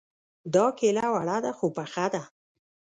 دا کيله وړه ده خو پخه ده